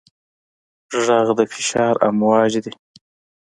غږ د فشار امواج دي.